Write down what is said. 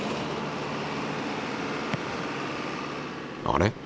あれ？